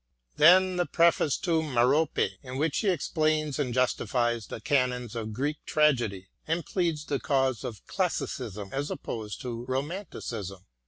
Then the. preface to " Merope," in which he explains, and justifies the canons of Greek tragedy, and pleads the cause of Classicism as opposed to Romanticism.